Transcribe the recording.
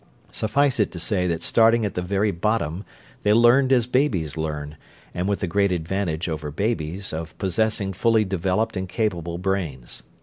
Suffice it to say that starting at the very bottom they learned as babies learn, but with the great advantage over babies of possessing fully developed and capable brains.